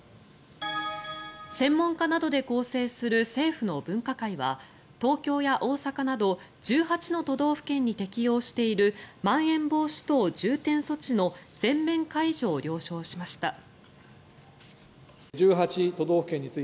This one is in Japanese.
専門家などで構成する政府の分科会は東京や大阪など１８の都道府県に適用しているまん延防止等重点措置の全面解除を了承しました。